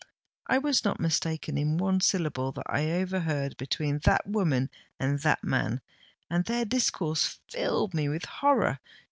I was not mistaken in one syllable that I overheard between that woman and that man—and their discourse filled me with horror.